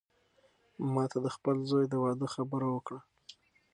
ما ته د خپل زوی د واده خبره وکړه.